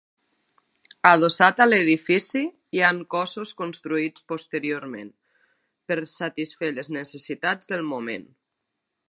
Adossat a l’edifici, hi han cossos construïts posteriorment, per satisfer les necessitats del moment.